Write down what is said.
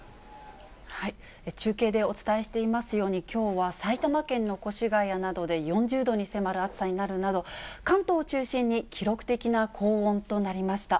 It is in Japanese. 中継でお伝えしていますように、きょうは埼玉県の越谷などで４０度に迫る暑さになるなど、関東を中心に記録的な高温となりました。